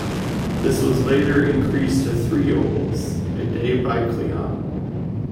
This was later increased to three "obols" a day by Cleon.